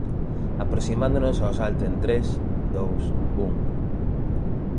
Aproximándonos ao salto en tres, dous, un.